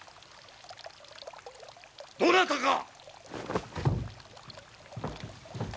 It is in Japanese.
どなたか！